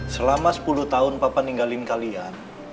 selama sepuluh tahun papa tinggalin kalian